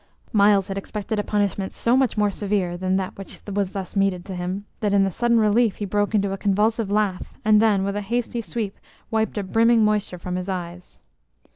Myles had expected a punishment so much more severe than that which was thus meted to him, that in the sudden relief he broke into a convulsive laugh, and then, with a hasty sweep, wiped a brimming moisture from his eyes.